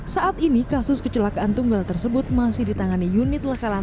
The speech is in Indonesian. saat ini kasus kecelakaan tunggal tersebut masih ditangani unit lekalan